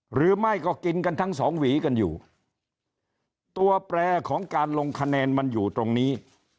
หรือไม่ก็กินกันทั้งสองหวีกันอยู่ตัวแปรของการลงคะแนนมันอยู่ตรงนี้